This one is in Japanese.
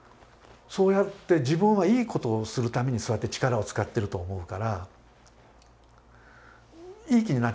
そうやって自分はいいことをするためにそうやって力を使ってると思うからいい気になっちゃうんですね。